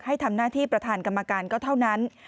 ให้ทำหน้าที่ประธานกรรมการก็เท่านั้น